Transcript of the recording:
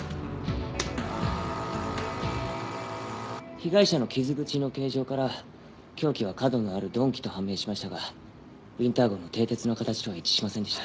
被害者の傷口の形状から凶器は角のある鈍器と判明しましたがウィンター号の蹄鉄の形とは一致しませんでした。